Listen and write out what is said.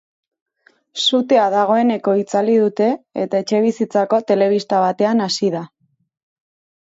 Sutea dagoeneko itzali dute eta etxebizitzako telebista batean hasi da.